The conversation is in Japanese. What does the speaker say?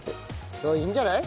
うんいいんじゃない？